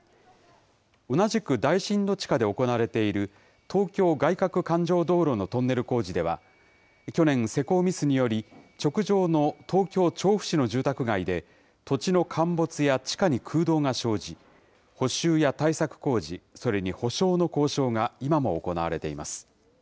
同じく大深度地下で行われている、東京外かく環状道路のトンネル工事では、去年、施工ミスにより、直上の東京・調布市の住宅で、土地の陥没や地下に空洞が生じ、補修や対策工事、それに補償の交渉が今も行われています。